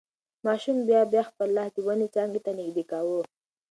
ماشوم بیا بیا خپل لاس د ونې څانګې ته نږدې کاوه.